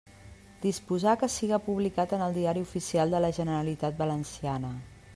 Disposar que siga publicat en el Diari Oficial de la Generalitat Valenciana.